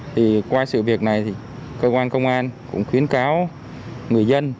thì qua sự việc này thì cơ quan công an cũng khuyến cáo người dân